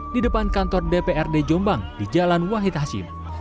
di depan kantor dprd jombang di jalan wahid hashim